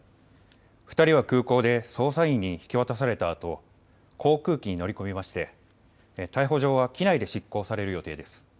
２人は空港で捜査員に引き渡されたあと航空機に乗り込みまして逮捕状は機内で執行される予定です。